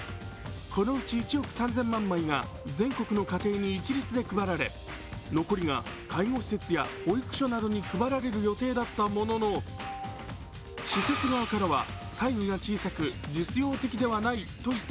このうち１億３０００万枚が全国の家庭に一律で配られ残りが介護施設や保育所などに配られる予定だったものの、施設側からはサイズが小さく実用的ではないといった